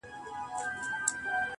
اوس نه راکوي راته پېغور باڼه,